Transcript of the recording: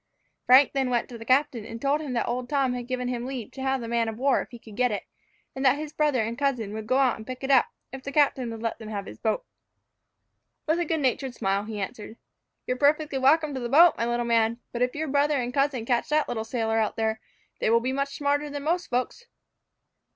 Frank then went to the captain, and told him that old Tom had given him leave to have the man of war if he could get it; and that his brother and cousin would go out and pick it up, if the captain would let them have his boat. With a good natured smile, he answered, "You are perfectly welcome to the boat, my little man; but if your brother and cousin catch that little sailor out there, they will be much smarter than most folks."